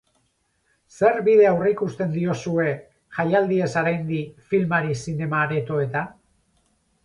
Zer bide aurreikusten diozue, jaialdiez haraindi, filmari zinema aretoetan?